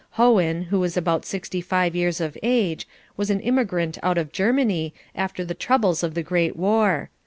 Hohen, who was about sixty five years of age, was an immigrant out of Germany after the troubles of the Great War.